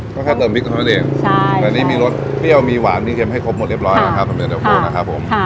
ก็แค่เติมพริกเท่านั้นเองอันนี้มีรสเปรี้ยวมีหวานมีเค็มให้ครบหมดเรียบร้อยนะครับน้ำเย็นตะโฟนะครับผม